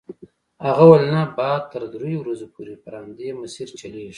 هغه وویل نه باد تر دریو ورځو پورې پر همدې مسیر چلیږي.